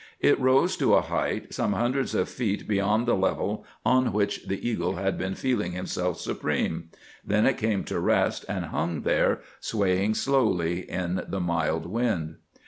It rose to a height some hundreds of feet beyond the level on which the eagle had been feeling himself supreme. Then it came to rest, and hung there, swaying slowly in the mild wind.